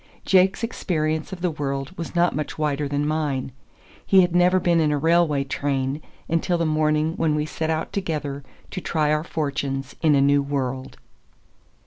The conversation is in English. Jake's experience of the world was not much wider than mine. He had never been in a railway train until the morning when we set out together to try our fortunes in a new world.